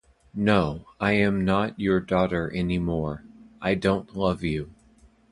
No, I am not your daughter anymore. I don't love you.